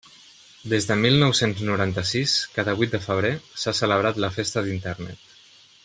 Des de mil nou-cents noranta-sis, cada vuit de febrer, s'ha celebrat la Festa d'Internet.